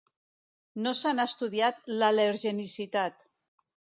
No se n'ha estudiat l'al·lergenicitat.